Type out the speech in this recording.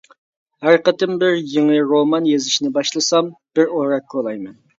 ھەر قېتىم بىر يېڭى رومان يېزىشنى باشلىسام، بىر ئورەك كولايمەن.